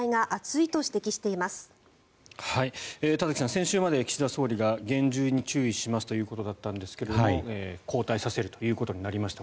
先週まで岸田総理が厳重に注意しますということだったんですが交代させるということになりました。